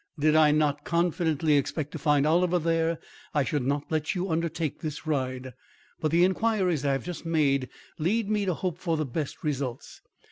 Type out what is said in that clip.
Did I not confidently expect to find Oliver there, I should not let you undertake this ride. But the inquiries I have just made lead me to hope for the best results.